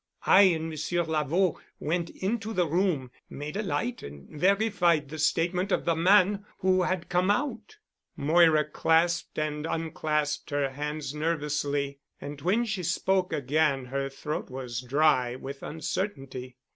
I and Monsieur Lavaud went into the room, made a light and verified the statement of the man who had come out." Moira clasped and unclasped her hands nervously, and when she spoke again her throat was dry with uncertainty.